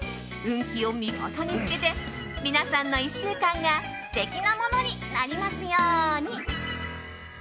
運気を味方につけて皆さんの１週間が素敵なものになりますように。